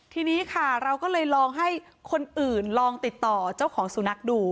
ทีนี้ค่ะเราก็เลยลองให้คนอื่นลองติดต่อเจ้าของสุนัขดู